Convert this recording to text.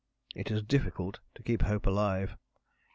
It is difficult to keep hope alive.